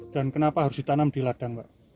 dan kenapa harus ditanam di ladang pak